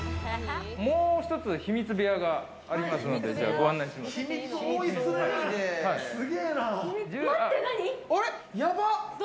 もう一つ、秘密部屋がありますのでご案内します。